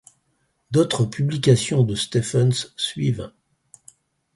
D’autres publications de Stephens suivent.